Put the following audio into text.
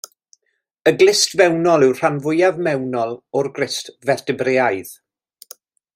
Y glust fewnol yw'r rhan fwyaf mewnol o'r glust fertebraidd.